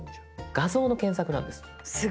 画像の検索なんです。